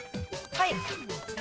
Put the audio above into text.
はい！